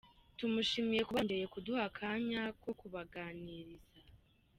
Tumushimiye kuba yongeye kuduha akanya ko kubaganiriza.